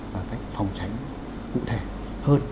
và cách phòng tránh cụ thể hơn